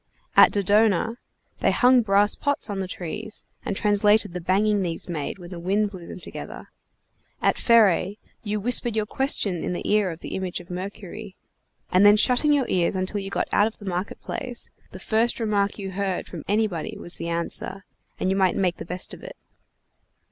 At Dodona, they hung brass pots on the trees and translated the banging these made when the wind blew them together. At Pheræ, you whispered your question in the ear of the image of Mercury, and then shutting your ears until you got out of the market place, the first remark you heard from anybody was the answer, and you might make the best of it.